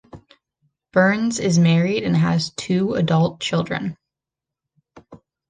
Burns is married and has two adult children.